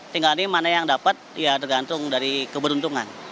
tinggal di mana yang dapat ya tergantung dari keberuntungan